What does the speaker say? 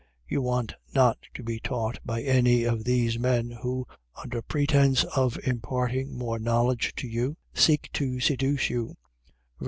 .You want not to be taught by any of these men, who, under pretence of imparting more knowledge to you, seek to seduce you (ver.